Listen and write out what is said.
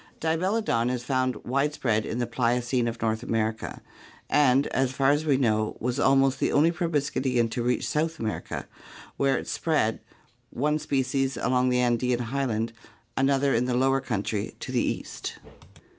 Dibelodon is found wide spread in the Pliocene of North America and, as far as we know, was almost the only proboscidean to reach South America, where it spread, one species along the Andean highland, another in the lower country to the east.